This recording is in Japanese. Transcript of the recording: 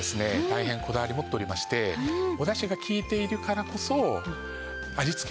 大変こだわり持っておりましておだしが利いているからこそ味付けはですね